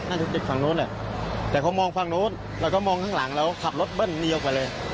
น่าจะเป็นฝั่งโน้นแหละแต่เขามองฝั่งโน้นแล้วก็มองข้างหลังเราขับรถเบิ้ลนี้ออกไปเลย